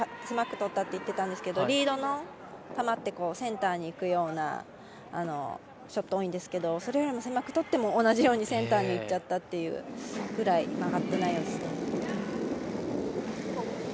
詰まったといってたんですけどリードのたまってセンターにいくようなショットが多いんですけどそれより狭くとっても同じようにセンターにいっちゃったっていうぐらい曲がってないようですね。